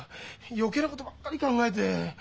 余計なことばっかり考えて。